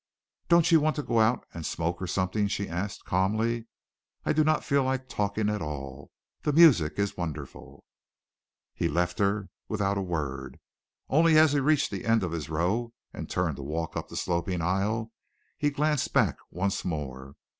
"Don't you want to go out and smoke or something?" she asked calmly. "I do not feel like talking at all. The music is wonderful!" He left her without a word. Only as he reached the end of his row and turned to walk up the sloping aisle, he glanced back once more.